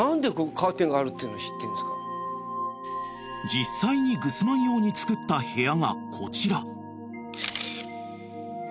［実際にグスマン用に作った部屋がこちら］